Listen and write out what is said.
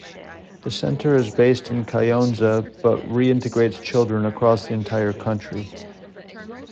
The centre is based in Kayonza but reintegrates children across the entire country.